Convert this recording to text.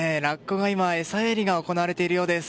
今、餌やりが行われているようです。